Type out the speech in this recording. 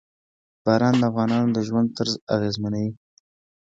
باران د افغانانو د ژوند طرز اغېزمنوي.